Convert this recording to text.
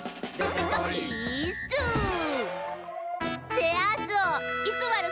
チェアースおうイスワル